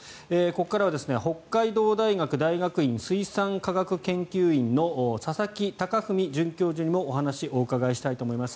ここからは北海道大学大学院水産科学研究院の佐々木貴文准教授にもお話をお伺いしたいと思います。